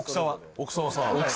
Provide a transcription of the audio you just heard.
奥沢さん